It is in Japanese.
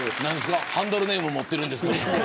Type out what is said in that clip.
ハンドルネーム持ってるんですか。